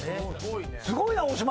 すごいな大島！